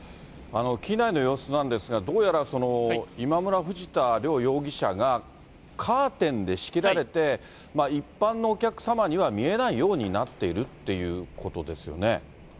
機内の様子なんですが、どうやら今村、藤田両容疑者が、カーテンで仕切られて、一般のお客様には見えないようになっているということですよね。